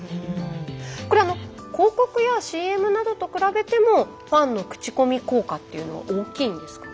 これ広告やＣＭなどと比べてもファンの口コミ効果っていうのは大きいんですかね。